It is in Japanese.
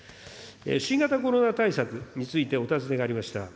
新型コロナ対策についてお尋ねがありました。